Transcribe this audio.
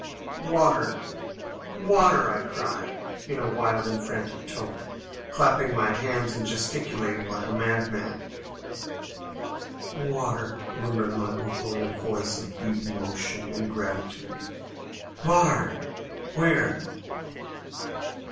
"Water, water!" I cried, in a wild and frantic tone, clapping my hands, and gesticulating like a madman. "Water!" murmured my uncle, in a voice of deep emotion and gratitude. "Hvar?" ("Where?")